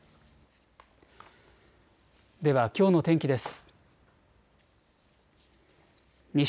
ではきょうの天気です。